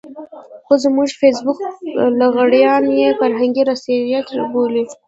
خو زموږ فېسبوکي لغړيان يې فرهنګي رسالت بولي.